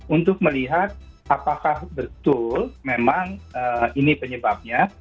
untuk melihat apakah betul memang ini penyebabnya